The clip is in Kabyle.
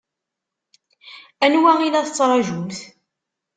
Anwa i la tettṛaǧumt?